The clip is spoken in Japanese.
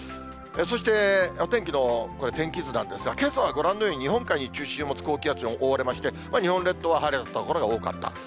そして、お天気のこれ、天気図なんですが、けさはご覧のように、日本海に中心を持つ高気圧に覆われまして、日本列島は晴れた所が多かった。